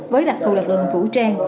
với đặc thù đặc lượng vũ trang